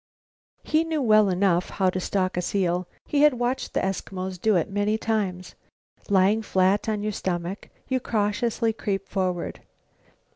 He knew well enough how to stalk a seal; he had watched the Eskimos do it many times. Lying flat on your stomach, you cautiously creep forward.